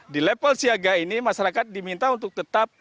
di level siaga ini masyarakat diminta untuk tetap